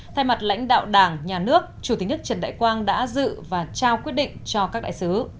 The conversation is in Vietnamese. thay mặt lãnh đạo đảng nhà nước chủ tịch nước trần đại quang đã dự và trao quyết định cho các đại sứ